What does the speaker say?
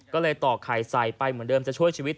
ก็เลยต่อไข่ใส่ไปเหมือนเดิมจะช่วยชีวิต